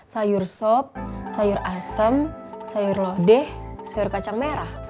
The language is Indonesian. sayur sop sayur asem sayur lodeh sayur kacang merah